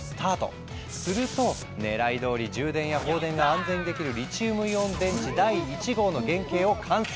すると狙いどおり充電や放電が安全にできるリチウムイオン電池第１号の原型を完成！